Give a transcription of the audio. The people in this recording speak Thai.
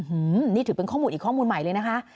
นี่ถือเป็นข้อมูลอีกข้อมูลใหม่เลยนะคะ